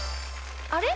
あれ？